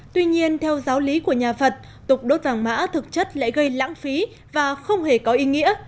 tuy nhiên theo giáo lý của nhà phật tục đốt vàng mã thực chất lại gây lãng phí và không hề có ý nghĩa